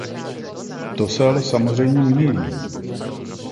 To se ale samozřejmě mýlí.